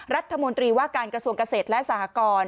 รัฐมนตรีว่าการกระทรวงเกษตรและสหกร